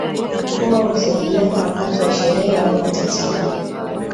Huwa husaidiana wakati wa sherehe au matatizo